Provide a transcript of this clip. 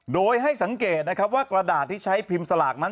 โดยให้สังเกตนะครับว่ากระดาษที่ใช้พิมพ์สลากนั้น